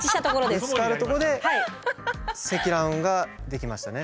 ぶつかるとこで積乱雲ができましたね。